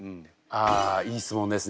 あいい質問ですね。